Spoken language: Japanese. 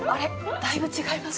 だいぶ違いますね。